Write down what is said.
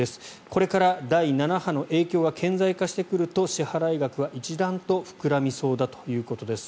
これから第７波の影響が顕在化してくると支払額は一段と膨らみそうだということです。